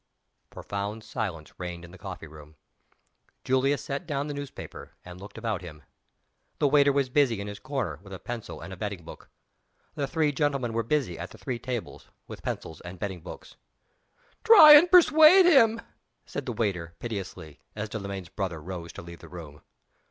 Profound silence reigned in the coffee room. Julius laid down the newspaper, and looked about him. The waiter was busy, in his corner, with a pencil and a betting book. The three gentlemen were busy, at the three tables, with pencils and betting books. "Try and persuade him!" said the waiter, piteously, as Delamayn's brother rose to leave the room.